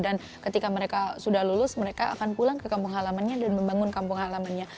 dan ketika mereka sudah lulus mereka akan pulang ke kampung halamannya dan membangun kampung halamannya